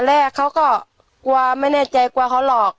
พี่คบกันมาค่ะตอนแรกเขาก็กลัวไม่แน่ใจกลัวเขาหลอก